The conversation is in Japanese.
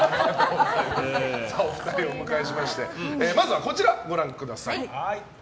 お二人をお迎えしましてまずはこちらご覧ください。